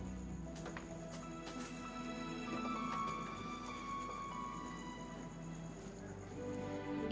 ternyata itu adalah rukun iman yang harus diberikan oleh tuhan